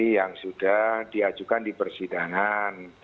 yang sudah diajukan di persidangan